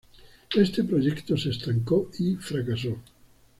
Este proyecto se estancó y fracasó.